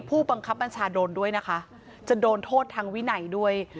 ผู้บังคับบัญชาโดนด้วยนะคะจะโดนโทษทางวินัยด้วย